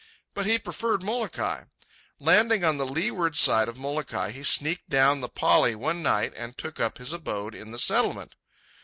But he preferred Molokai. Landing on the leeward side of Molokai, he sneaked down the pali one night and took up his abode in the Settlement.